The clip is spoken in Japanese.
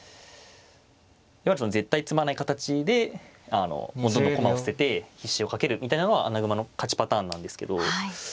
いわゆるその絶対詰まない形でもうどんどん駒を捨てて必至をかけるみたいなのは穴熊の勝ちパターンなんですけど。